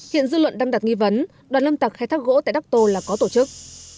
hiện dư luận đang đặt nghi vấn đoàn lâm tặc khai thác gỗ tại đắc tô là có tổ chức